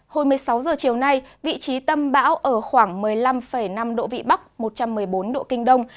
hồi một mươi sáu h chiều nay vị trí tâm bão ở khoảng một mươi năm năm độ vị bắc một trăm một mươi bốn độ kinh đông